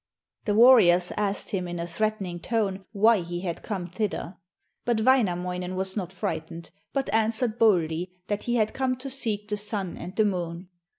The warriors asked him in a threatening tone why he had come thither. But Wainamoinen was not frightened, but answered boldly that he had come to seek the Sun and the Moon.